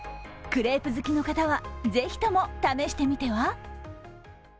クレープ好きの方は、ぜひとも試してみては？